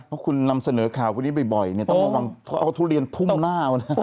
เพราะคุณนำเสนอข่าวคนนี้บ่อยเนี่ยต้องระวังเขาเอาทุเรียนทุ่มหน้าวันนี้